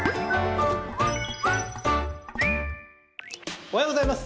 おはようございます。